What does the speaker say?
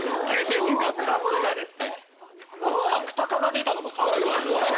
はくたかが出たのも素晴らしかったですね。